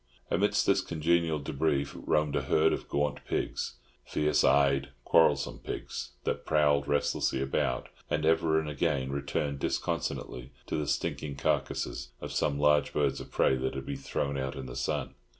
Amidst this congenial debris roamed a herd of gaunt pigs, fierce eyed, quarrelsome pigs, that prowled restlessly about, and ever and again returned disconsolately to the stinking carcasses of some large birds of prey that had been thrown out in the sun.